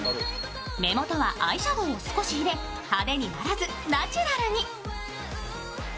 目元はアイシャドウを少し入れ、派手にならずナチュラルに。